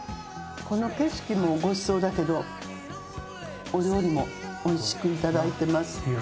この景色もごちそうだけどお料理もおいしくいただいてます。